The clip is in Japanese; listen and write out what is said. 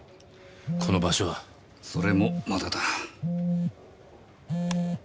この場所は？それもまだだ。